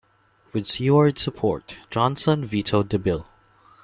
With Seward's support, Johnson vetoed the bill.